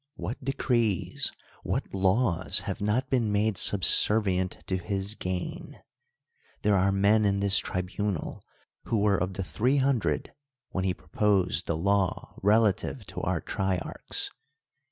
What decrees, what laws have not been made subservient to his gain ? There are men in this tribunal who were of the Three Hundred when he proposed the law relative to our trier archs.